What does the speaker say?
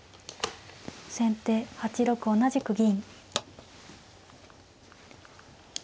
先手８六同じく銀。